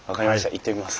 行ってみます。